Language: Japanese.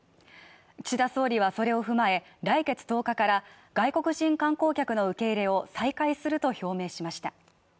岸田総理はそれを踏まえ来月１０日から外国人観光客の受け入れを再開すると表明しました。